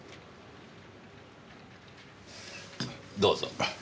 どうぞ。